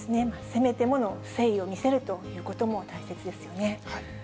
せめてもの誠意を見せるということも大切ですよね。